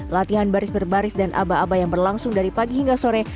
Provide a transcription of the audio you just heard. latihan baris berbaris dan aba aba yang berlangsung dari pagi hingga sore